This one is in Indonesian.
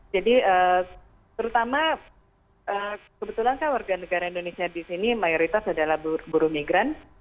jadi terutama kebetulan kan warga negara indonesia di sini mayoritas adalah buru migran